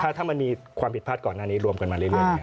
ถ้ามันมีความผิดพลาดก่อนหน้านี้รวมกันมาเรื่อย